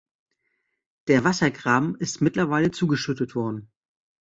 Der Wassergraben ist mittlerweile zugeschüttet worden.